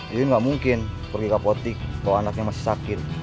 yuyun gak mungkin pergi ke apotek kalau anaknya masih sakit